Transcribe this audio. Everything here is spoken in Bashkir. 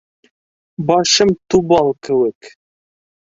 Башым тубал кеүек.